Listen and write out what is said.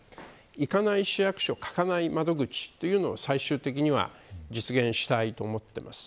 行かない市役所書かない窓口というのを最終的には実現したいと思っています。